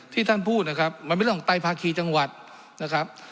ท่านพูดนะครับมันเป็นเรื่องของไตภาคีจังหวัดนะครับ